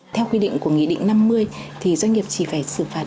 theo quy định của nghị định năm mươi thì doanh nghiệp chỉ phải xử phạt